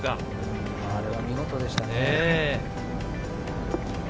あれは見事でしたね。